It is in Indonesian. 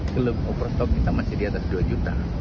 kelebuk overstock kita masih di atas dua juta